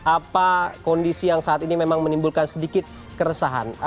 apa kondisi yang saat ini memang menimbulkan sedikit keresahan